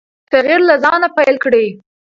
تغیر له ځانه پیل کړئ.